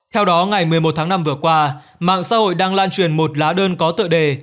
theo đó ngày một mươi một tháng năm vừa qua mạng xã hội đang lan truyền một lá đơn có tựa đề